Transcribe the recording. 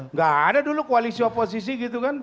nggak ada dulu koalisi oposisi gitu kan